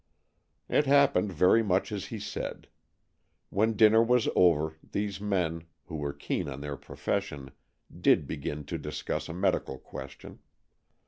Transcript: It happened very much as he said. When dinner was over, these men, who were keen on their profession, did begin to discuss a medical question.